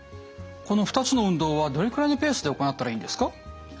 この２つの運動はどれくらいのペースで行ったらいいんですか？